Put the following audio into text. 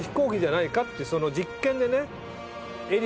実験でね。